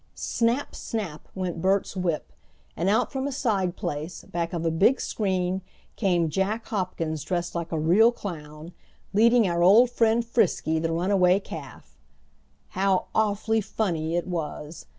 Snap! snap! went Bert's whip, and out from a side place, back of a big screen, came Jack Hopkins dressed like a real clown, leading our old friend Frisky, the runaway calf. How awfully funny it was!